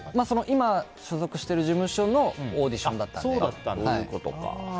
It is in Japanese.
今所属している事務所のオーディションだったので。